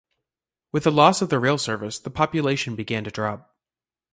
With the loss of the rail service, the population began to drop.